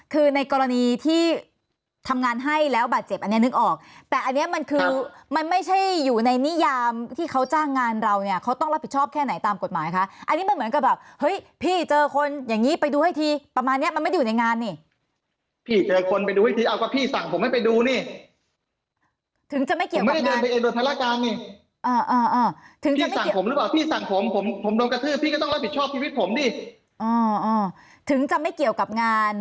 คือในกรณีที่ทำงานให้แล้วบาดเจ็บอันเนี้ยนึกออกแต่อันเนี้ยมันคือมันไม่ใช่อยู่ในนิยามที่เขาจ้างงานเราเนี้ยเขาต้องรับผิดชอบแค่ไหนตามกฎหมายคะอันนี้มันเหมือนกับแบบเฮ้ยพี่เจอคนอย่างงี้ไปดูให้ทีประมาณเนี้ยมันไม่ได้อยู่ในงานนี่พี่เจอคนไปดูให้ทีเอาก็พี่สั่งผมให้ไปดูนี่ถึงจะไม่เกี่ยวกับงานผมไม่ได้เดิ